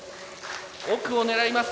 奥を狙います。